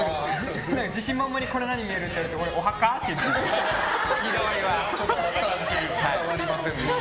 自信満々にこれ何に見える？って言われて俺、お墓って言っちゃいました。